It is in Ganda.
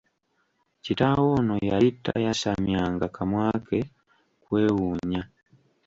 Kitaawe ono yali tayasamyanga kamwa ke kwewuunya.